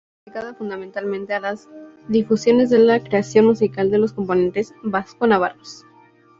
Está dedicada fundamentalmente a la difusión de la creación musical de los compositores vasco-navarros.